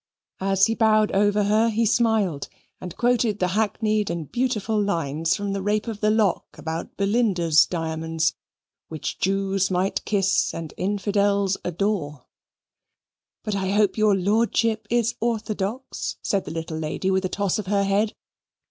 As he bowed over her he smiled, and quoted the hackneyed and beautiful lines from The Rape of the Lock about Belinda's diamonds, "which Jews might kiss and infidels adore." "But I hope your lordship is orthodox," said the little lady with a toss of her head.